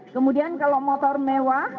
kemudian kalau motor mewah